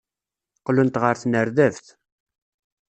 Qqlent ɣer tnerdabt.